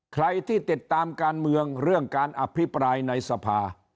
ใครที่ติดตามการเมืองเรื่องการอภิปรายในสภา